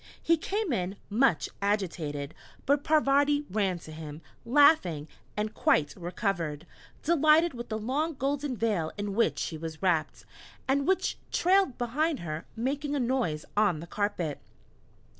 He came in, much agitated; but Parvati ran to him, laughing, and quite recovered, delighted with the long golden veil in which she was wrapped, and which trailed behind her, making a noise on the carpet!